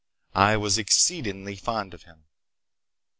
I was exceedingly fond of him.